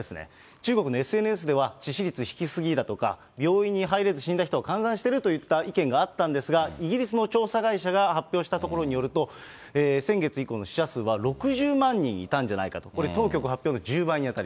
中国のＳＮＳでは致死率低すぎだとか、病院に入れず死んだ人は換算してる？といった意見があったんですが、イギリスの調査会社が発表したところによると、先月以降の死者数は６０万人いたんじゃないかと、これ、当局発表の１０倍に当